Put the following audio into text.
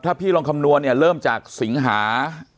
ถ้าพี่ลองคำนวณเนี่ยเริ่มจากสิงหา